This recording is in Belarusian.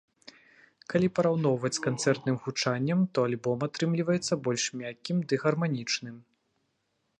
Калі параўноўваць з канцэртным гучаннем, то альбом атрымліваецца больш мяккім ды гарманічным.